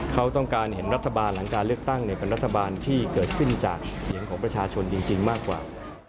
เขาต้องการเห็นรัฐบาลหลังการเลือกตั้งเป็นรัฐบาลที่เกิดขึ้นจากเสียงของประชาชนจริงมากกว่า